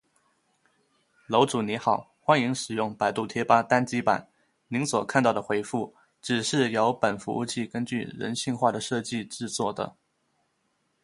楼主你好：欢迎使用百度贴吧单机版！您所看到的回复，皆是由本服务器根据人性化的设计制作的